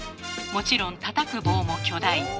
もちろんたたく棒も巨大。